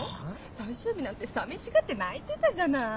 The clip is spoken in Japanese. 最終日なんて寂しがって泣いてたじゃない。